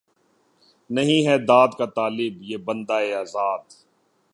نہیں ہے داد کا طالب یہ بندۂ آزاد